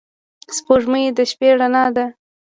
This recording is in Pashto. سپوږمۍ د شپې رڼا ده